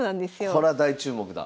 これは大注目だ。